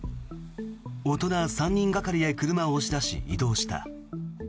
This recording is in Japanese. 大人３人がかりで車を押し出し移動した。